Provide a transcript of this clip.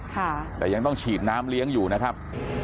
แต่ยังต้องฉีดน้ำเลี้ยงอยู่นะครับ